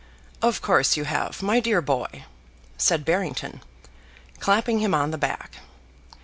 "Of course you have, my dear boy," said Barrington, clapping him on the back.